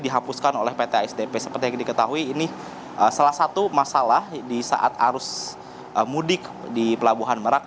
dihapuskan oleh pt asdp seperti yang diketahui ini salah satu masalah di saat arus mudik di pelabuhan merak